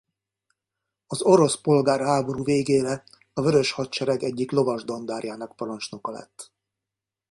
Az orosz polgárháború végére a Vörös Hadsereg egyik lovas dandárjának parancsnoka lett.